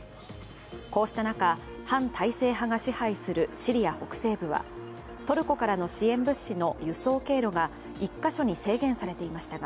こうした中、反体制派が支配するシリア北西部はトルコからの支援物資の輸送経路が１か所に制限されていましたが